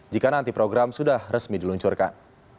jika nanti program sudah resmi diluncurkan